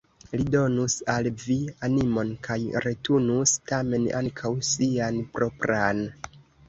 Li donus al vi animon kaj retenus tamen ankaŭ sian propran.